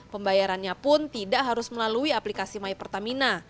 pembayarannya pun tidak harus melalui aplikasi my pertamina